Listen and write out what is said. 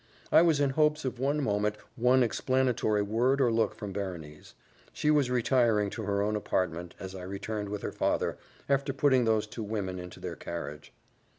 I was in hopes of one moment, one explanatory word or look from Berenice. She was retiring to her own apartment, as I returned, with her father, after putting those two women into their carriage.